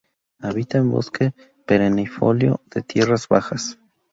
Habita en bosque perennifolio de tierras bajas.